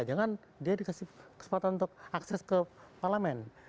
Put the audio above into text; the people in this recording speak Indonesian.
jangan dia dikasih kesempatan untuk akses ke parlemen